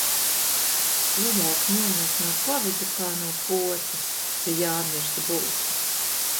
Labāk nomirt no Kovida kā no potes, ja jāmirst būtu.